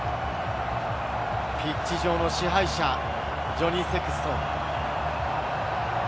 ピッチ上の支配者、ジョニー・セクストン。